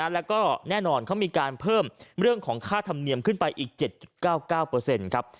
แล้วก็แน่นอนเขามีการเพิ่มเรื่องของค่าธรรมเนียมขึ้นไปอีก๗๙๙ครับ